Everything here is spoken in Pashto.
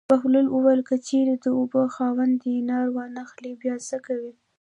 بهلول وویل: که چېرې د اوبو خاوند دینار وانه خلي بیا څه کوې.